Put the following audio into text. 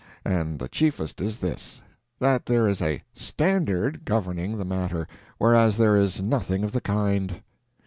And the chiefest is this—that there is a _standard _governing the matter, whereas there is nothing of the kind.